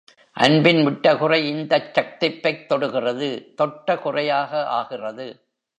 அன்பின் விட்டகுறை, இந்தச் சக்திப்பைத் தொடுகிறது தொட்டகுறையாக ஆகிறது.